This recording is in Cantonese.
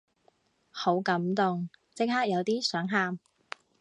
好感動，即刻有啲想喊